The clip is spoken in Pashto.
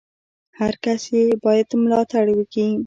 هر کس ئې بايد ملاتړ وکي!